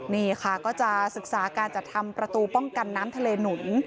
นี่ค่ะก็จะศึกษาการจัดทำประตูป้องกันน้ำทะเลหนุน